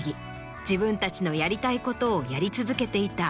自分たちのやりたいことをやり続けていた